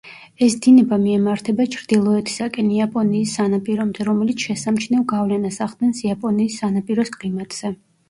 ეს დინება მიემართება ჩრდილოეთისაკენ იაპონიის სანაპირომდე, რომელიც შესამჩნევ გავლენას ახდენს იაპონიის სანაპიროს კლიმატზე.